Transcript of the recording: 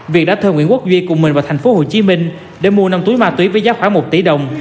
việt đã thơ nguyễn quốc duy cùng mình vào thành phố hồ chí minh để mua năm túi ma túy với giá khoảng một tỷ đồng